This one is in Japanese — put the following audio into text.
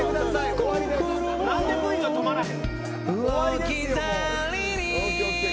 何でＶが止まらん。